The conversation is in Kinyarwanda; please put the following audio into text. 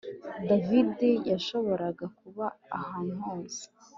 David yashoboraga kuba ahantu hose